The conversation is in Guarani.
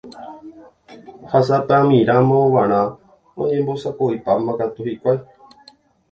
Ha sapy'amíramo g̃uarã oñembosako'ipáma katu hikuái.